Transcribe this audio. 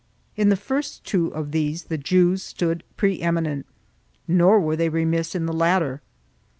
In the first two of these the Jews stood pre eminent, nor were they remiss in the latter.